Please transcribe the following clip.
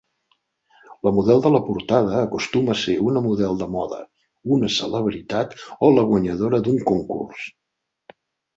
La model de la portada acostuma a ser una model de moda, una celebritat o la guanyadora d'un concurs.